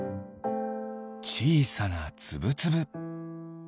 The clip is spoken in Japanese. ちいさなつぶつぶ。